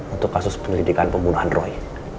untuk kasus penyelidikan pembunuhan roy